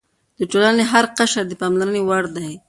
د ټولنې هر قشر د پاملرنې وړ دی.